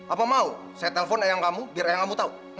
apa mau saya telepon ayah kamu biar ayah kamu tahu